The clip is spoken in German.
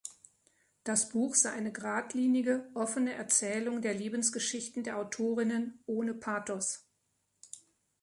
Das Buch sei eine gradlinige, offene Erzählung der Lebensgeschichten der Autorinnen ohne Pathos.